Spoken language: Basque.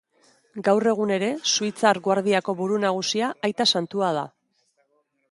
Gaur egun ere, Suitzar Guardiako buru nagusia Aita santua da.